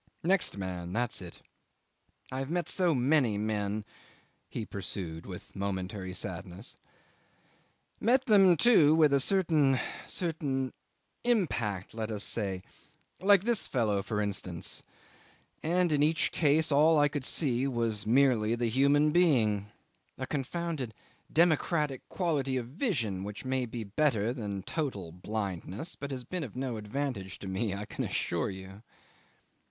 Next man that's it. I have met so many men,' he pursued, with momentary sadness 'met them too with a certain certain impact, let us say; like this fellow, for instance and in each case all I could see was merely the human being. A confounded democratic quality of vision which may be better than total blindness, but has been of no advantage to me, I can assure you.